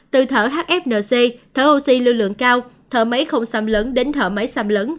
từ thở hfnc thở oxy lưu lượng cao thở máy không xăm lớn đến thở máy xăm lấn